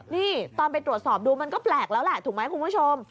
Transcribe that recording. นี่ตอนไปตรวจสอบดูมันก็แปลกแล้วแหละถูกไหมคุณผู้ชม